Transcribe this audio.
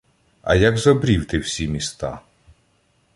А як забрів ти в сі міста?